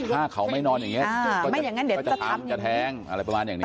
ถ้าเขาไม่นอนอย่างนี้ก็จะทำจะแทงอะไรประมาณอย่างนี้